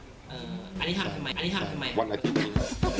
อันนี้ทำทำไมอันนี้ทำทำไม